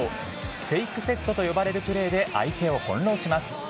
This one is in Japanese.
フェイクセットと呼ばれるプレーで相手をほんろうします。